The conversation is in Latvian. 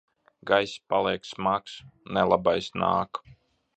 Gaiss paliek smags. Nelabais nāk!